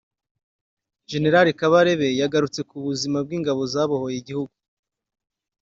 Gen Kabarebe yagarutse ku buzima bw’ingabo zabohoye igihugu